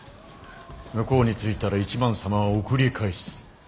向こうに着いたら一幡様は送り返す。